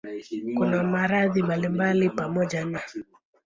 Kuna maradhi mbalimbali pamoja na